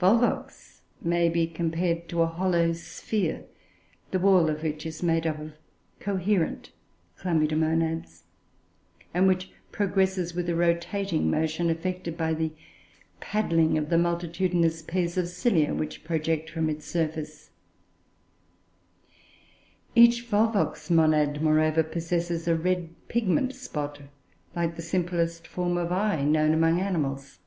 Volvox may be compared to a hollow sphere, the wall of which is made up of coherent Chlamydomonads; and which progresses with a rotating motion effected by the paddling of the multitudinous pairs of cilia which project from its surface. Each Volvox monad, moreover, possesses a red pigment spot, like the simplest form of eye known among animals.